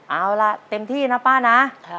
เอาล่ะเต็มที่นะป้านะ